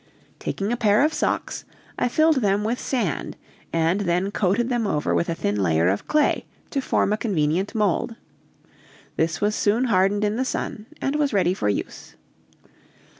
Taking a pair of socks, I filled them with sand and then coated them over with a thin layer of clay to form a convenient mold; this was soon hardened in the sun, and was ready for use.